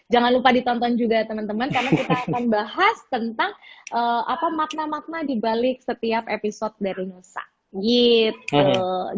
jangan lupa ditonton juga teman teman karena kita akan bahas tentang apa makna makna dibalik setiap episode dari nosa gitu